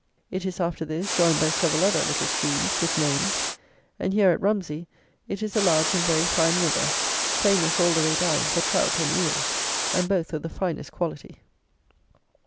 It is, after this, joined by several other little streams, with names; and here, at Rumsey, it is a large and very fine river, famous, all the way down, for trout and eels, and both of the finest quality.